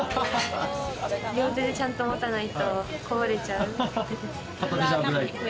両手でちゃんと持たないとこぼれちゃう。